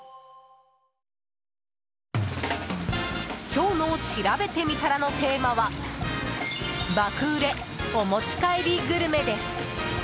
今日のしらべてみたらのテーマは爆売れお持ち帰りグルメです。